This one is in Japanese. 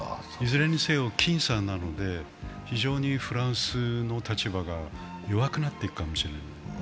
いずれにせよ僅差なので、非常にフランスの立場が弱くなっていくかもしれない。